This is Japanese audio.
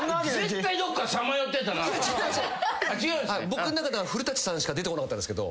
僕ん中では古さんしか出てこなかったんですけど。